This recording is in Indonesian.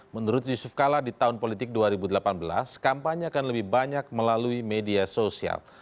menurut yusuf kala di tahun politik dua ribu delapan belas kampanye akan lebih banyak melalui media sosial